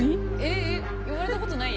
えっ言われたことない？